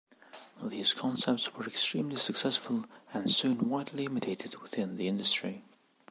These concepts were extremely successful and soon widely imitated within the industry.